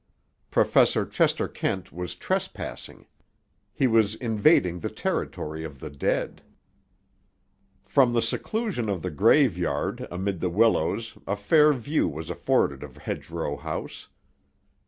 Professor Chester Kent was trespassing. He was invading the territory of the dead. From the seclusion of the graveyard amid the willows a fair view was afforded of Hedgerow House.